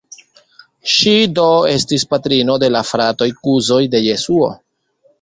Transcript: Ŝi do estis patrino de la fratoj-kuzoj de Jesuo.